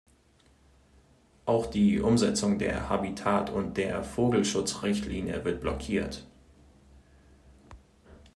Auch die Umsetzung der Habitat- und der Vogelschutzrichtlinie wird blockiert.